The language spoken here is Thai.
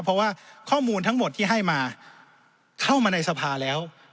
เพราะว่าข้อมูลทั้งหมดที่ให้มาเข้ามาในสภาแล้ว